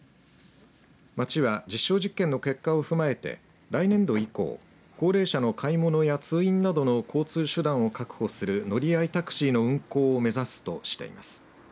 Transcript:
町は、実証実験の結果を踏まえて来年度以降高齢者の買い物や通院などの交通手段を確保する乗り合いタクシーの運行を目指すとしています。